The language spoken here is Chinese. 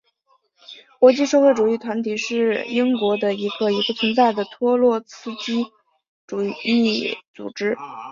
国际社会主义团体是英国的一个已不存在的托洛茨基主义组织。